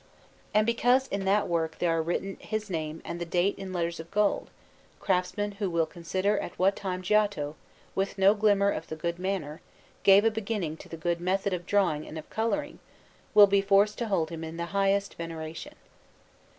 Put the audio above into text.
And because in that work there are written his name and the date in letters of gold, craftsmen who will consider at what time Giotto, with no glimmer of the good manner, gave a beginning to the good method of drawing and of colouring, will be forced to hold him in the highest veneration.